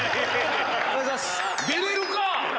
出れるか！